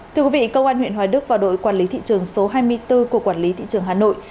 thưa quý vị công an huyện hoài đức và đội quản lý thị trường số hai mươi bốn của quản lý thị trường hà nội